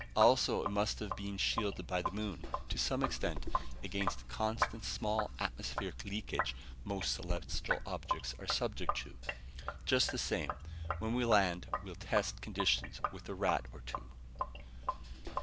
Also it must have been shielded by the moon, to some extent, against the constant small atmospheric leakage most celestial globes are subject to. Just the same, when we land, we'll test conditions with a rat or two."